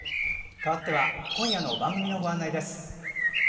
かわっては今夜の番組のご案内です。